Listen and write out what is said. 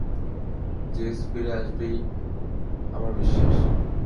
JS ফিরে আসবেই আমার বিশ্বাস।